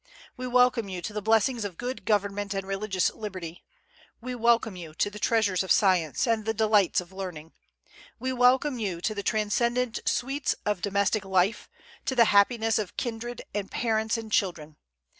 We welcome you to the blessings of good government and religious liberty. We welcome you to the treasures of science, and the delights of learning. We welcome you to the transcendent sweets of domestic life, to the happiness of kindred, and parents, and children.